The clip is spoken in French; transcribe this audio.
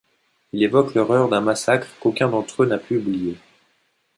Il évoque l'horreur d'un massacre qu'aucun d'entre eux n'a pu oublier.